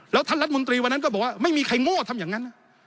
แล้วท่านรัฐมนตรีวันนั้นก็บอกว่าไม่มีใครโง่ทำอย่างนั้น